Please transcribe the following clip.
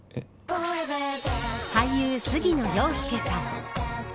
俳優、杉野遥亮さん。